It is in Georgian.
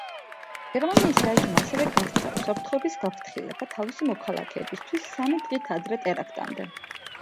გერმანიის საელჩომ ასევე გასცა უსაფრთხოების გაფრთხილება თავისი მოქალაქეებისთვის სამი დღით ადრე ტერაქტამდე.